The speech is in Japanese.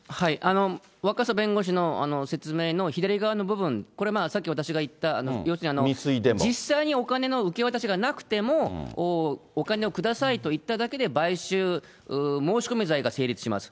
若狭弁護士の説明の左側の部分、これ、さっき私が言った、要するに実際にお金の受け渡しがなくても、お金を下さいと言っただけで買収申込罪が成立します。